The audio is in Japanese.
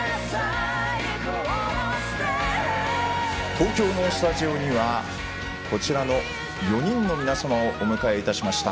東京のスタジオにはこちらの４人の皆様をお迎えいたしました。